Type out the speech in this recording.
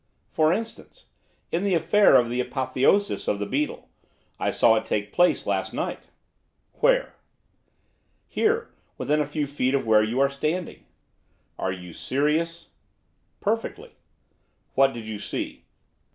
'For instance, in the affair of the Apotheosis of the Beetle; I saw it take place last night.' 'Where?' 'Here, within a few feet of where you are standing.' 'Are you serious?' 'Perfectly.' 'What did you see?